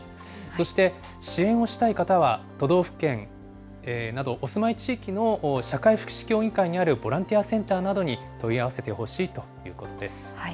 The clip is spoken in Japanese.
そして、支援をしたい方は、都道府県など、お住まい地域の社会福祉協議会にあるボランティアセンターなどに問い合わせてほしいということです。